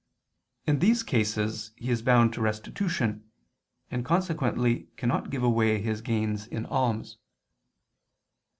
In these cases he is bound to restitution, and consequently cannot give away his gains in alms.